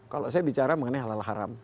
kalau saya bicara mengenai halal haram